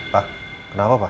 pak kenapa pak